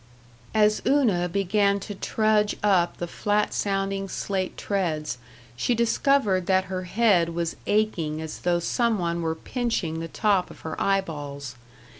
§ 6 As Una began to trudge up the flat sounding slate treads she discovered that her head was aching as though some one were pinching the top of her eyeballs.